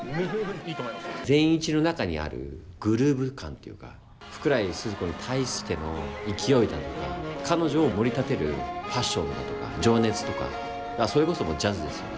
善一の中にあるグルーヴ感というか福来スズ子に対しての勢いだとか彼女をもり立てるパッションだとか情熱とかそれこそジャズですよね